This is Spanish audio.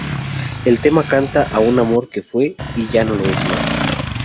El tema canta a un amor que fue y ya no lo es más.